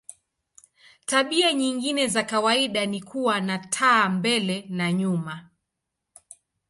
Tabia nyingine za kawaida ni kuwa na taa mbele na nyuma.